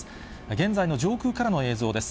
現在の上空からの映像です。